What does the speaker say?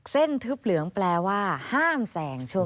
เส้นทึบเหลืองแปลว่าห้ามแสงช่วงนี้